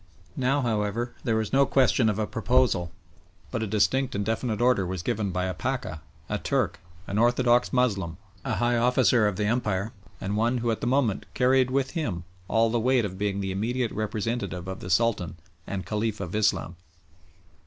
Now, however, there was no question of a proposal, but a distinct and definite order was given by a Pacha, a Turk, an orthodox Moslem, a high officer of the Empire, and one who at the moment carried with him all the weight of being the immediate representative of the Sultan and Caliph of Islam.